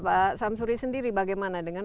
pak samsuri sendiri bagaimana dengan